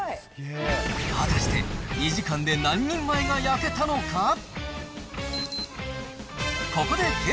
果たして２時間で何人前が焼けたのか。